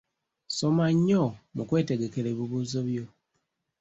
Soma nnyo mu kwetegekera ebibuuzo byo.